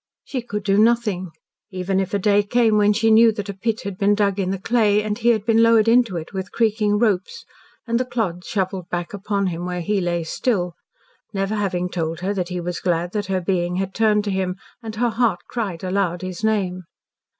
She could do nothing, even if a day came when she knew that a pit had been dug in the clay and he had been lowered into it with creaking ropes, and the clods shovelled back upon him where he lay still never having told her that he was glad that her being had turned to him and her heart cried aloud his name.